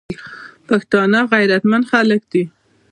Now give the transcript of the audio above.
پښتانه غیرتمن خلک دي.